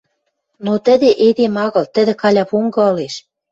Но тӹдӹ эдем агыл, тӹдӹ калявонгы ылеш.